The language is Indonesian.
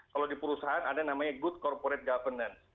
kalau di perusahaan ada namanya good corporate governance